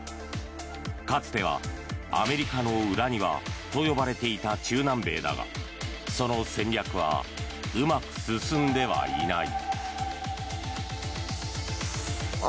かつてはアメリカの裏庭と呼ばれていた中南米だが、その戦略はうまく進んではいない。